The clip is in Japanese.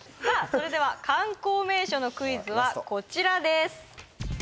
それでは観光名所のクイズはこちらです